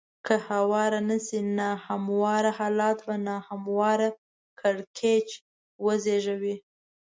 که هوار نه شي نا همواره حالات به نا همواره کړکېچ وزېږوي.